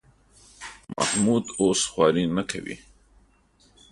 محمود اوس خواري نه کوي.